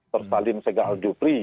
ter salim sehgal dupri